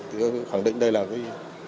thì tôi khẳng định đây là cái